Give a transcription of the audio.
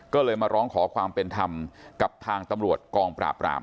ก็เลยมาร้องขอความเป็นธรรมกับทางตำรวจกองปราบราม